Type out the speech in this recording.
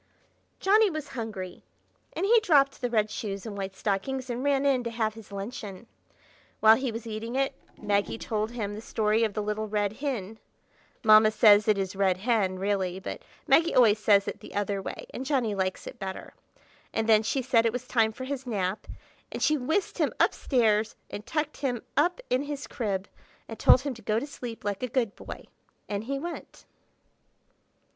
Johnny was hungry, and he dropped the red shoes and white stockings and ran in to have his luncheon. While he was eating it, Maggie told him the story of the Little Rid Hin; (Mamma says it is "Red Hen," really, but Maggie always says it the other way, and Johnny likes it better); and then she said it was time for his nap, and she whisked him up stairs and tucked him up in his crib and told him to go to sleep like a good boy, and he went.